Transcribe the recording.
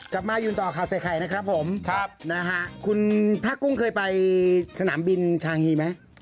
กลับมายืนต่อข่าวใส่ไข่นะครับผมครับนะฮะคุณพระกุ้งเคยไปสนามบินชางฮีไหม